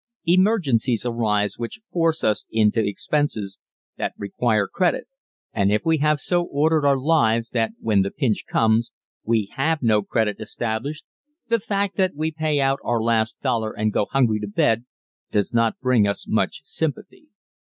Emergencies arise which force us into expenses that require credit, and if we have so ordered our lives that when the pinch comes we have no credit established the fact that we pay out our last dollar and go hungry to bed does not bring us much sympathy.